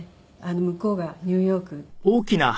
向こうがニューヨークですね。